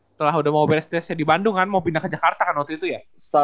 setelah udah mau beresnya di bandung kan mau pindah ke jakarta kan waktu itu ya